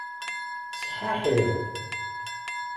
Sḥaḥi.